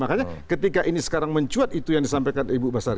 makanya ketika ini sekarang mencuat itu yang disampaikan ibu basari